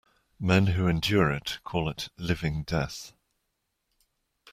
Men who endure it, call it living death.